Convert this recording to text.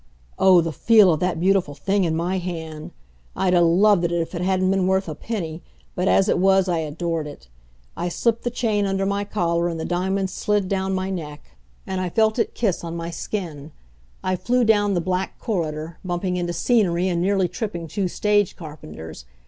Oh, the feel of that beautiful thing in my hand! I'd 'a' loved it if it hadn't been worth a penny, but as it was I adored it. I slipped the chain under my collar, and the diamond slid down my neck, and I felt its kiss on my skin. I flew down the black corridor, bumping into scenery and nearly tripping two stage carpenters.